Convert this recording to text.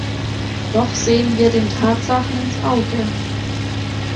Doch sehen wir den Tatsachen ins Auge.